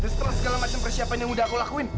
terus segala macam persiapan yang udah aku lakuin